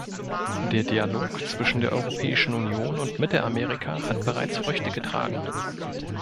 Der Dialog zwischen der Europäischen Union und Mittelamerika hat bereits Früchte getragen.